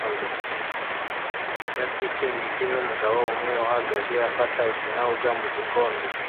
ya picnic numugabo umwe uhagaze afata ikinyobwa mugikombe